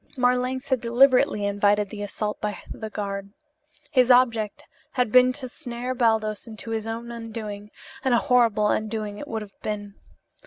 Marlanx had deliberately invited the assault by the guard. His object had been to snare Baldos into his own undoing, and a horrible undoing it would have been.